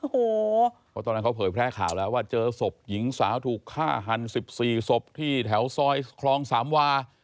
เพราะตอนนั้นเขาเผยแพร่ข่าวแล้วว่าเจอศพหญิงสาวถูกฆ่าหัน๑๔ศพที่แถวซอยคลองสามวา